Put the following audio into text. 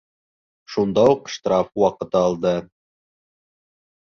Шунда уҡ штраф ваҡыты алды.